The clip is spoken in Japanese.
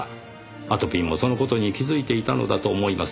あとぴんもその事に気づいていたのだと思います。